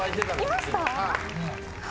いました？